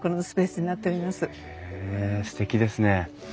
へえすてきですね。